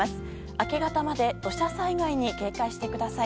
明け方まで土砂災害に警戒してください。